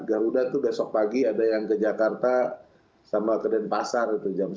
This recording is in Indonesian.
garuda itu besok pagi ada yang ke jakarta sama ke denpasar itu jam sepuluh